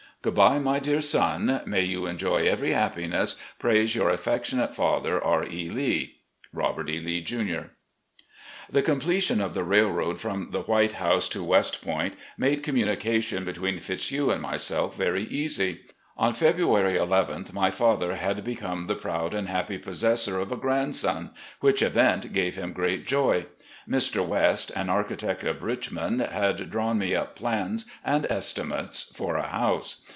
Good bye, my dear son. May you enjoy every happiness prays Your affectionate father, "R. E. Lee. "Robert E. Lee, Jr." The completion of the railroad from the "White House" to "West Point" made communication between Fitzhugh and myself very easy. On February nth, my father had become the proud and happy possessor of a grandson, which event gave him great joy. Mr. West, an architect of Richmond, had drawn me up plans and estimates for a house.